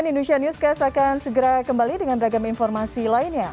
cnn indonesia newscast akan segera kembali dengan ragam informasi lainnya